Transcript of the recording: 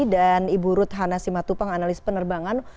dan ibu rut hana simatupang analis penerbangan